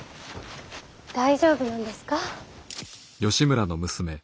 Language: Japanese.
大丈夫なんですか。